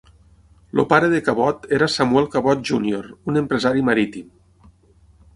El pare de Cabot era Samuel Cabot Junior, un empresari marítim.